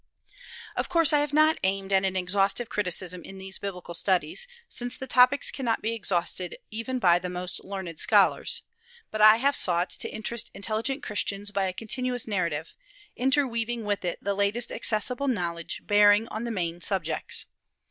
Of course I have not aimed at an exhaustive criticism in these Biblical studies, since the topics cannot be exhausted even by the most learned scholars; but I have sought to interest intelligent Christians by a continuous narrative, interweaving with it the latest accessible knowledge bearing on the main subjects.